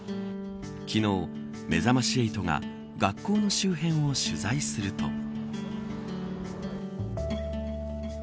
昨日、めざまし８が学校の周辺を取材すると。